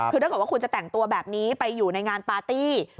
คือถ้าเกิดว่าคุณจะแต่งตัวแบบนี้ไปอยู่ในงานปาร์ตี้